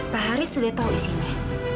pak haris sudah tahu isinya